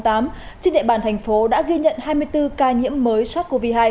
trên địa bàn thành phố đã ghi nhận hai mươi bốn ca nhiễm mới sars cov hai